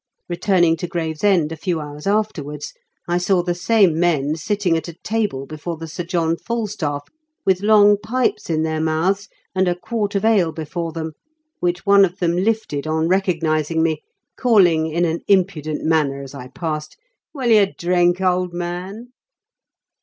Eetuming to Gravesend a few hours after wards, I saw the same men sitting at a table before The Sir John FalstaflF, with long pipes in their mouths, and a quart of ale before them, which one of them lifted on re cognising me, calling in an impudent manner as I passed, " Will you drink, old man